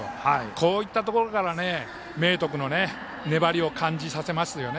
こういったところから明徳の粘りを感じさせますよね。